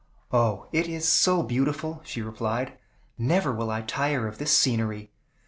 "O, it is so beautiful!" she replied. "Never will I tire of this scenery.